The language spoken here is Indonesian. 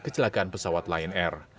kecelakaan pesawat lion air